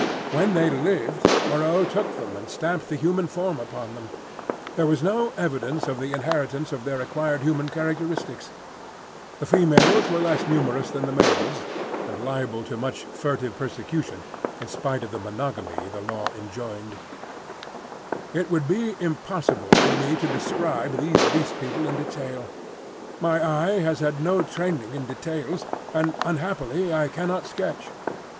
When they lived, Moreau took them and stamped the human form upon them. There was no evidence of the inheritance of their acquired human characteristics. The females were less numerous than the males, and liable to much furtive persecution in spite of the monogamy the Law enjoined. This description corresponds in every respect to Noble's Isle.—C. E. P. It would be impossible for me to describe these Beast People in detail; my eye has had no training in details, and unhappily I cannot sketch.